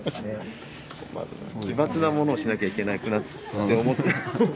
奇抜なものをしなきゃいけなくなって思って。